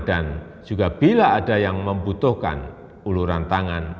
dan juga bila ada yang membutuhkan uluran tangan